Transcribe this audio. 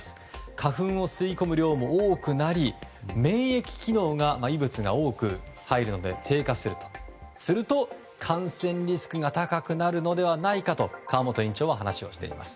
花粉を吸い込む量も多くなり免疫機能が異物が多く入り低下するのですると、感染リスクが高くなるのではないかと川本院長は話をしています。